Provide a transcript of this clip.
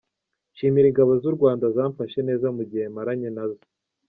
Nshimira ingabo z’u Rwanda zamfashe neza mu gihe maranye nazo.